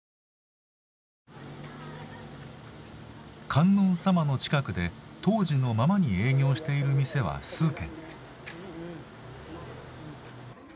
観音様の近くで当時のままに営業している店は数軒。